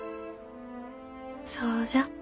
そうじゃ。